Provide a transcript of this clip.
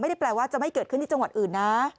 แปลว่าจะไม่เกิดขึ้นที่จังหวัดอื่นนะ